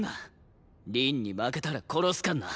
凛に負けたら殺すからな。